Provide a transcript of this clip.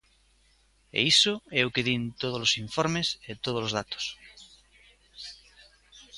E iso é o que din todos os informes e todos os datos.